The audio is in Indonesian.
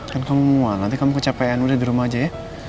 kan kamu mua nanti kamu kecepean udah di rumah aja ya